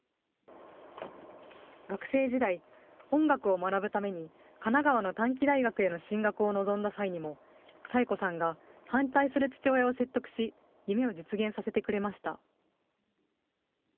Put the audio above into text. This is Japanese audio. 学生時代、音楽を学ぶために神奈川の短期大学への進学を望んだ際にも、佐江子さんが反対する父親を説得し、夢を実現させてくれました。